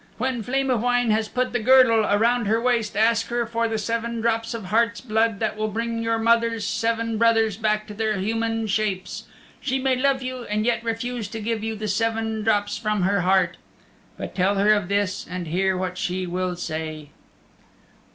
When Flame of Wine has put the girdle around her waist ask her for the seven drops of heart's blood that will bring your mother's seven brothers back to their human shapes. She may love you and yet refuse to give you the seven drops from her heart. But tell her of this, and hear what she will say."